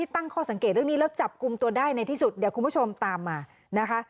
ตั้งข้อสังเกตเรื่องนี้แล้วจับกลุ่มตัวได้ในที่สุดเดี๋ยวคุณผู้ชมตามมานะคะ